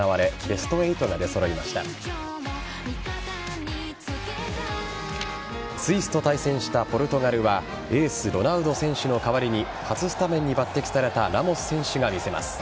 スイスと対戦したポルトガルはエース・ロナウド選手の代わりに初スタメンに抜擢されたラモス選手が見せます。